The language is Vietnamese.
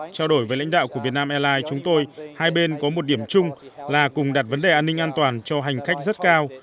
trao đổi với lãnh đạo của việt nam airlines chúng tôi hai bên có một điểm chung là cùng đặt vấn đề an ninh an toàn cho hành khách rất cao